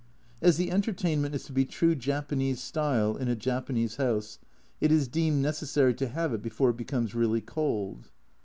As the entertainment is to be true Japanese style, in a Japanese house, it is deemed necessary to have it before it becomes really cold.